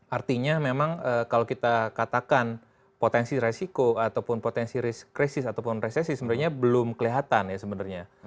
artinya memang kalau kita katakan potensi resiko ataupun potensi krisis ataupun resesi sebenarnya belum kelihatan ya sebenarnya